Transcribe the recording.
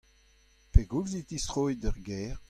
Pegoulz e tistroit d'ar gêr ?